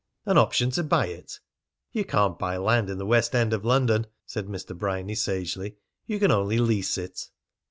"An option to buy it?" "You can't buy land in the West End of London," said Mr. Bryany sagely. "You can only lease it."